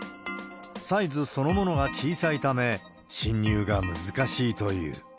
サイズそのものが小さいため、侵入が難しいという。